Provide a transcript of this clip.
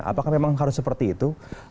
apakah memang harus seperti itu